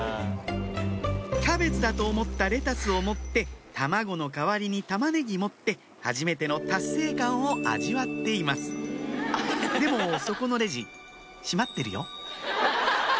キャベツだと思ったレタスを持って卵の代わりにたまねぎ持ってはじめての達成感を味わっていますでもそこのレジ閉まってるよ